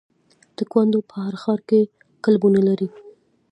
تکواندو په هر ښار کې کلبونه لري.